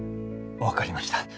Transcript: わかりました。